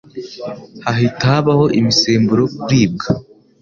hahita habaho imisemburo kuribwa